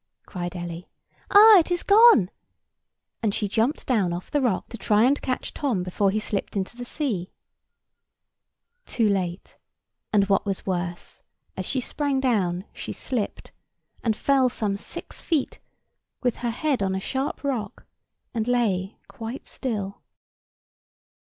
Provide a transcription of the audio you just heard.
cried Ellie. "Ah, it is gone!" And she jumped down off the rock, to try and catch Tom before he slipped into the sea. [Picture: Ellie, the professor and Tom] Too late! and what was worse, as she sprang down, she slipped, and fell some six feet, with her head on a sharp rock, and lay quite still.